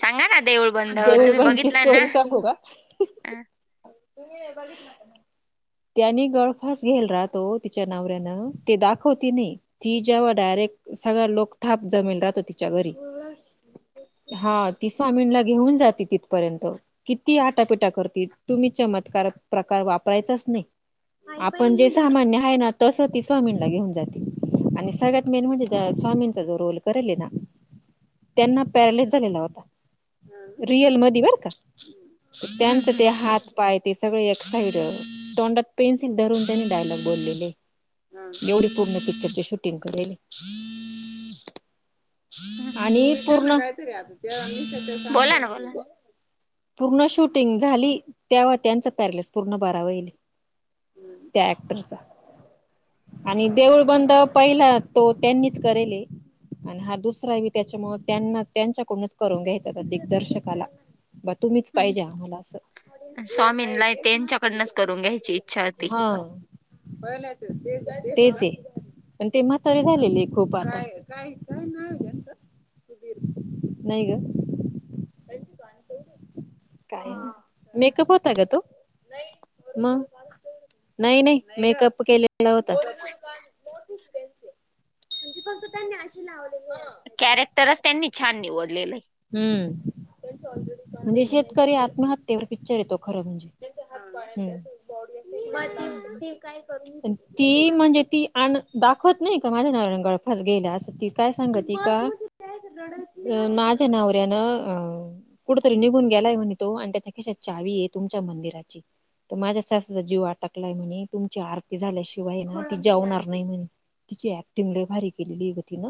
सांगा ना देऊळ बंद तुम्ही देऊळबाईंची बघितलाय ना स्टोरी तुम्ही बघितला का नाय त्यानी गळफास घेयल राहतो तिच्या नावऱ्यानं ते दाखवती नाही ती जेव्हा डायरेक्ट सगळ लोक थाप जमेल राहतो तिच्या घरी हा ती स्वामींला घेऊन जाते तिथपर्यंत किती आटापिटा करती. तुम्ही चमत्कार प्रकार वापरायचाच नाही आपण जे सामान्य आहे ना तस ती स्वामींना घेऊन जाते आणि सगळ्यात मेन म्हणजे ज्या स्वामींचा जो रोल करेलेय ना ना त्यांना पॅरिलीस झालेला होता रिअल मधी बर का त त्यांच हम्म ते हात पाय ते सगळे एक साईड तोंडात पेन्सिल धरून त्यांनी डायलॉग बोललेले एवढी पूर्ण पिक्चरचे शूटिंग करेलंय. हम्म हम्म आणि पूर्ण बोला ना बोला पूर्ण शूटिंग झाली तेव्हा त्यांचा पॅरलेस पूर्ण बरा वहिले त्या ऍक्टरचा आणि देऊळबंद पहिला तो त्यांनीच करेले. आणि हा दुसरा बी त्याच्यामुळ त्यांना त्यांच्याकडूनच करून घ्यायचा होता दिग्दर्शकाला ब तुम्हीच ना पाहिजे आम्हाला अस स्वामींना त्यांच्याकडनंच करून घ्यायची इच्छा होती तेच आहे पण ते म्हातारी झालेलेय आहे खूप आता काय नाव ये यांच सुधीर नाही ग त्यांची गाणी काय मेकअप होत होता ग तो नाई नाई मेकप केलल होतं गीता तर त्यानीं [inaudible] कॅरेक्टरच त्यांनी [inaudible] हम्म त्यांचे ऑलरेडी म्हणजे आहे शेतकरी आत्महत्य तेवर पिकच्चर ये तो खरं म्हणजे म ते ते काय करून ती म्हणजे ती आण दाखवत नाही का माझ्या नवऱ्यां गळफास घेयला अस ती काय सांगत का माझ त नावऱ्यान अं कुठ तरी निघून गेलाय म्हणे तो आणि त्याच्या खिशात चावी आहे तुमच्या मंदिराची तर माझ्या सासूचा जीव आटकलाय म्हणे तुमची आरती झाल्याशिवाय ना ती जेवणार नाही म्हणे तिची एकटिंग लय भारी केलेली ग तिन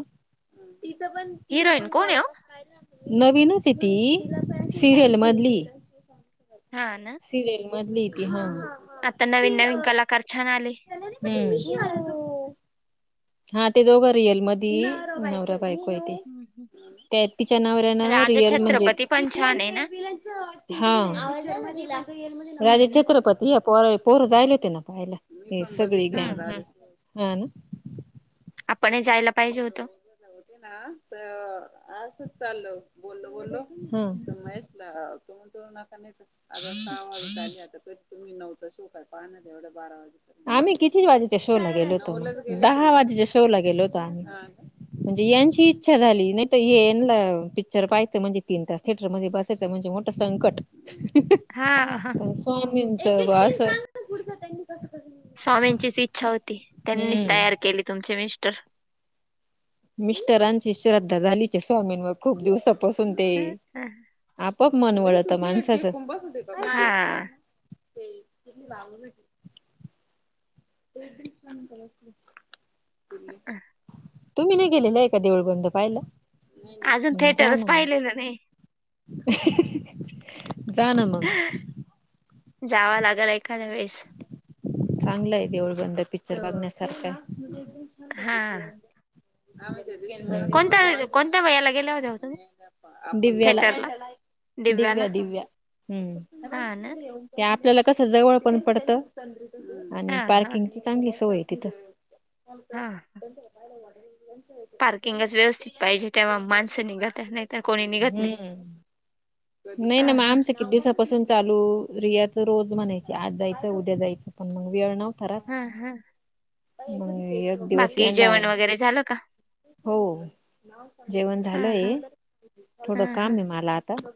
तिचं पण तिचं हिरोईन पण कोण पॉड आहे कास नवीनच ये ती सिरियल हो मधलीये हा ना सिरियल बदली हाय ती हा हा आता नवीन नवीन कलकार छान आ हूं हा ते दोघं रियल मधी नवरा बा ते त्या तिच्या नाव ना राजा रिअल म्हणजे छत्रपती पण छान आहे ना हा राजे हम्म छत्रपती ह्या पोर पोरं जायले होते ना पाहायला ते सगळी गँग हम्म हा न पण हे जायला पाहिजे होत. चाल्ल बोलो बोल्लो हं सहा वाम् नव शो पाहवढ बारा वाज आम्ही कितीच वाजेच्या शो ला गेलो होतो दहा वाजेच्या शो ला गेलो होतो. म्हणजे यांची इच्छा झाली नाहीतना पिक्चर पाहायचं म्हणजे तीन तास थिएटर मध्ये बसायचं म्हणजे मोठं संकट हा ह पण स्वामींच असं स्वामींचीच इच्छा होती त्यांनीच हम्म तयार केली तुमचे मि कत्त मिस्टरांची श्रद्धा झालीचे स्वामींवर खूप दिवस सून ते हा आपप मनवळत माणसाचं. ना हा. ते किती लागून का? ह हं. तुम्ही नाही गेले ना एका देऊळ बंध पाहिला अजून जा थिएटरच ना मग पाहिलेलं नाही. [unintelligible] जा ना मग? जाव लागेल एखाद्या वेळेस चांगलं आहे तेवढं बंद पिक्चर बघण्यासारखा हा. ह. कोणत्या कोणत्या वयाला गेल्या होत्या हो तुम्ही दिव्याला थिएटरला दिव्याला दिव्या दिव्या हम्. हा ना त्याला कसं जवळ पण पडत आणि हा हा पार्किंगची चांगली सोय तिथं हा ह. पार्किंगच व्यवस्थित पाहिजे तेव्हा माणसं निघत नाही तर कोणी निघत नाही. हम्म नाही हा नाही मग हा आमचं किती दिवसापासून चालू रियाच रोज म्हणायची आज जायचं उद्या जायचं पण मग वेळ ना हम्म हम्म. ह बाकी जेवण वगैरे झालं का? हो. जेवण हा हा झालंय हा थोडं हा कामाय मला आता ग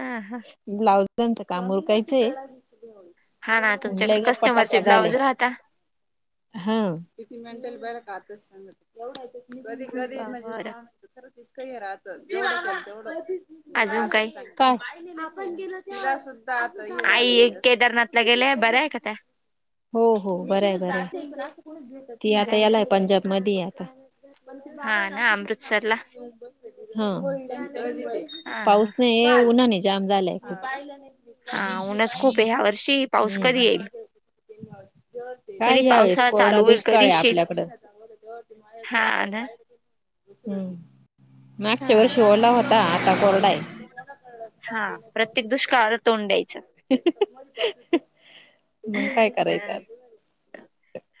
हा हा ब्लाऊज [inaudible] [unintelligible] काम उरकायचे हा ना तुमच्याकडे म्हटलंय कस्टमरचे गप्पाटप्पा झालाय ब्लाऊज राहता हा... [inaudible] कधी कधी म्हणजे बरं स्वामी त खर... अजून काही आई केदारनाथला गेल्या बरं आहे [unintelligible] का त्या [unintelligible] हो हो बरं आहे बरं ती बरं आता आहे ना यालाय पंजाब मध्ये... [inaudible] मग ते हा बाबा आहे ना सांत... अमृतसरला हो.... हा हा पाऊस नाही उन्ह नाही.. जाम झालंय खूप खूप..... हा ऊनच खूप ह्या वर्षी पाऊस कधी हम्म येईल काय कधी यावेेळेस पावसाळा कोरडा चालू होईल दुष्काळ कधी आहे शेत आपल्याकड हा... हम्... मागच्या वर्षी ओळला हा होता आता कोरडा हाय. हा प्रत्येक दुष्काळ.. तोंड द्यायचं.... [inaudible] मग काय करायच अ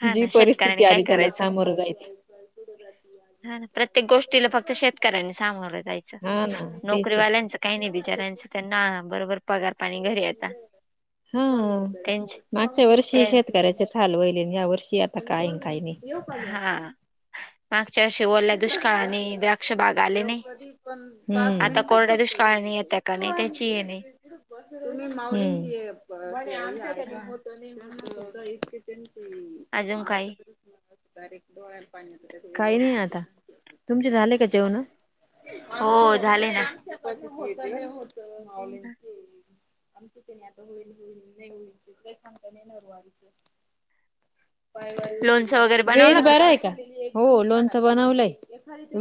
हा ना परिस्थिती शेतकऱ्यांनी काय आली त्याला करायचं सामोरं जायचं हा प्रत्येक गोष्टीला फक्त शेतकऱ्यांनी सामोरं जायचं हा ना तेच आहे नोकरीवाल्यांचं काही नाही बिचाऱ्यांचं त्यांना बरोबर.... पगार पाणी घरी येता हो त्यांचे मागच्या वर्षी ते शेतकऱ्याचे हल वहिले या वर्षी आ... तकाय.. काही नाही. हा मागच्या वर्षी ओल्या दुष्काळाने राहत द्राक्ष बाग ते आले नाही कधी पण पाच आता मिनट कोरड्या दुष्काळाने येत्या का फक्त् नाही त्याची हे नाही माव... इि [unintelligible] अजून काय... त पाहित... काही नाही आता... तुमचे झाले का जेवण.. आमच हो झाले ना आमच्या.. हो हो... माऊलींची... आमची ते नाही आता होईल होईल नाही होईल [unintelligible] लोणचं वगैरे वेद बनवलं बरा आहे का? हो लोणचं बनवलंय.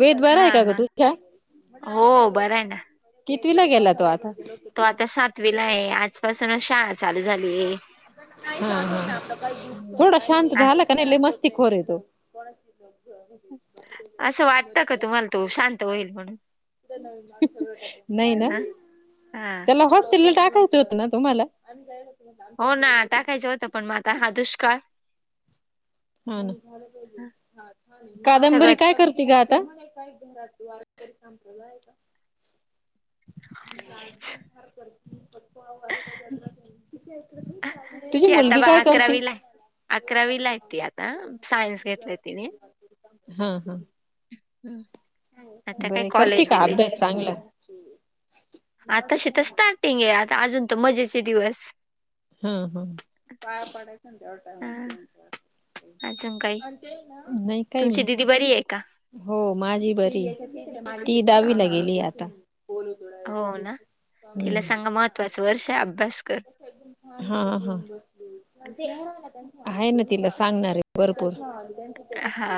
वेद बरा हा आहे का हा ग तुझा? हो बरा आहे ना. कितविला गेला तो आता? तो आता सातवी ला आहे आजपासूनच शाळा चालू झाली आहे. हा हा. खोर आहे तो असं वाटतं का तुम्हाला तो शांत होईल म्हणून नाही ना ह हा त्याला हॉस्टेलला टाकायचं होत ना तुम्हाला हो ना टाकायचं होतं पण मला तर हा दुष्काळ हो ना. सगळं कादंबरी काय करते ग आता? [unintelligible] तुझी ती आता मुलगी काय करते अकरावीला हाय. अकरावी ला हाय ती आता. सायन्स घेतलय तिने हा हा. हम्म आता काय बरे करते कॉलेज का बिलेज. अभ्यास चांगला आताशी तर स्टार्टिंग आहे आता अजून मजे दिवस हम्म हम्म. पाया पडायचं ना तेवढ हा टायमात [unintelligible] अजून काही. काय तुमची दिदी मग बरी आहे का? हो माझी बरी आहे. ती दहावीला अह गेली आता हो ना तिला सांगा महत्वाचं वर्ष आहे अभ्यास कर हो हो. आहे ना तिला सांगणार आहे भरपूर हा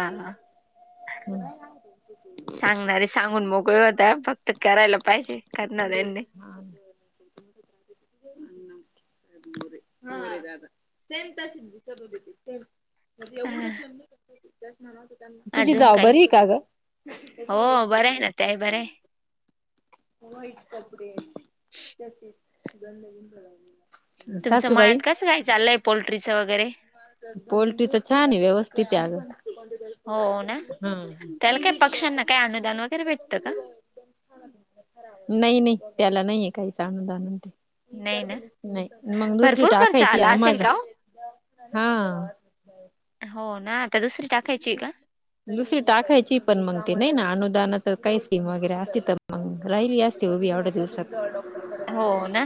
सांगणारे सांगून मोक ग होता फक्त करायला पाहिजे करणाऱ्यांनी [inaudible] सेम तशीच [unintelligible] ते. हा एवढेच ना ते. [inaudible] तुझी अजून जावू काही बरी आहे का ग. हो बरं आहे ना, त्या ही बरं आहे. [inaudible] तुमचं सासूबाई मळ्यात कसं काय चाललंय पोल्ट्री. च वगैरे. किती आल. हो ना? त्याला काय पक्ष्यांना काय [unintelligible] [unintelligible] वगैरे भेटतं का? नाही नाही त्याला नाहीये काहीच आनंद आनंद ते. नाही ना [unintelligible] नाही मग दुसरी भरपूर खर्च टाकायची आला असेल आम्हाला का हो? हां. हो ना आता दुसरी टाकायचीय का? दुसरी टाकायची पण मग ते नाही ना अनुदानाच काही स्कीम वगैरे असती तर मग राहिली असते उभी एवढ्या दिवसात हो ना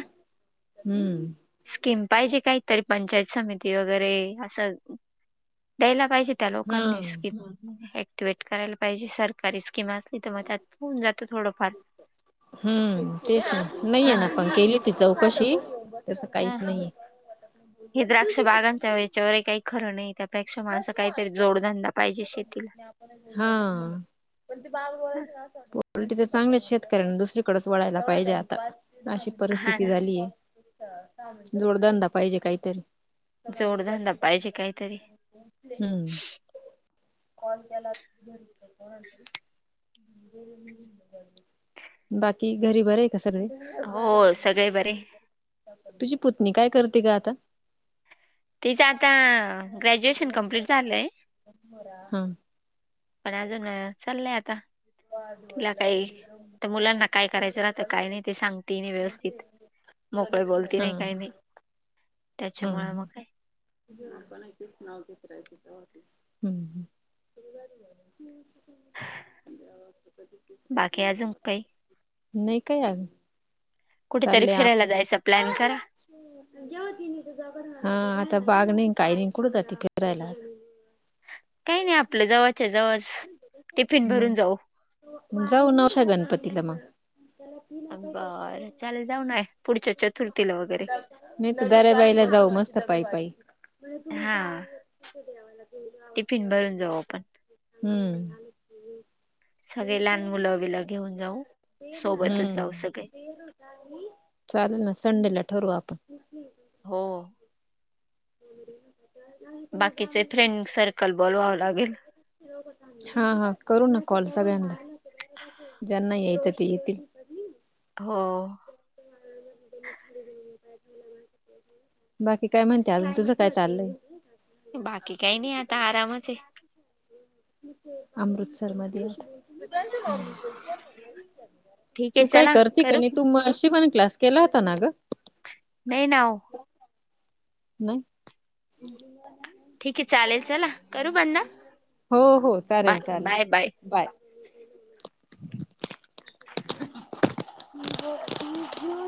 हम्म. स्कीम पाहिजे काहीतरी पंचायत समिती वगैरे असं द्यायला पाहिजे त्या हा लोकांनी स्कीम [unintelligible] ट्विट करायला पाहिजे सरकारी [inaudible] थोडंफार. हम्म तेच ना नाहीये ना पण केली होती चौकशी. तसं हा काहीच हा नाहीये. हे द्राक्ष बागांच्या [unintelligible] खरं नाही त्यापेक्षा म अस काहीतरी जोडधंदा पाहिजे शेतीला. हा [unintelligible] चांगल्याच शेतकऱ्यांन दुसरीकडेच वळायला पाहिजे आता [unintelligible] अशी हा परिस्थिती ना झालीये. [unintelligible] जोडधंदा पाहिजे काहीतरी. जोडधंदा पाहिजे काहीतरी. [inaudible] [unintelligible] बाकी घरी बरी हो सगळे बरे. तुझी पुतनी काय करते गं आता? तिचं आता ग्रॅज्युएशन कंप्लीट झालंय हा पण अजून चाललंय आता. तिला काही तर मुलांना काय करायचं राहतं, काय नाही ते सांगते मी व्यवस्थित मोकळे बोलती हा नाही काही नाही. त्याच्यामुळे हा मग काय [unintelligible] हम्म हम्म. बाकी अजून काही? नाही काय कुठेतरी चाललंय आप फिरायला जायचा प्लॅन करा. [unintelligible] हां आता बाग नाही आणि काही नाही कुठं जाती फिरायला? काही नाही आपल्या जवळच्या जवळच [inaudible] टिफिन भरून जाऊ. जावू नवशा गणपतीला मग. बरं चालेल जाऊ ना पुढच्या चतुर्थीला वगैरे. [inaudible] नाही तर म्हणजे तुम्ही हा जाल तिथे. टिफिन भरून जाऊ आपण. हम्म. [unintelligible] सगळे लहान मुलं-बील घेऊन जाऊ सोबतच जाऊ हम्म सगळे. [inaudible] चालेल ना संडेला ठरवू आपण. हो. पोरं गेल्यात बाकीचे फ्रेंड सर्कल बोलवावं लागेल. [inaudible] हा हा करू ना कॉल सगळ्यांना ज्यांना यायचं ते येतील. हो. [inaudible] बाकी काय म्हणते अजून. तुझं काय चाललंय? बाकी काही नाही आता आरामच आहे. अमृतसर मध्ये [inaudible] ठीक आहे तू काय चला करते का करू नाही? तू मशी पण क्लास केला होता ना, ग. नाही ना ओ. नाही. ठीक आहे चालेल, चला करू बंद. हो हो चालेल बाय चालेल बाय बाय. [unintelligible]